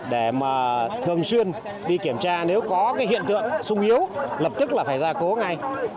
để mà thường xuyên đi kiểm tra nếu có cái hiện tượng sung yếu lập tức là phải ra cố ngay